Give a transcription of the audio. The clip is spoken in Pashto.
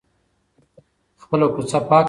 خپله کوڅه پاکه وساتئ.